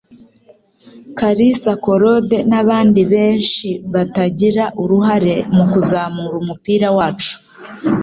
Kalisa Claude n’abandi benshi batagira uruhare mu kuzamura umupira wacu